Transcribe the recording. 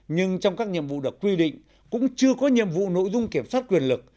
nhưng trong các nhiệm vụ được quy định cũng chưa có nhiệm vụ nội dung kiểm soát quyền lực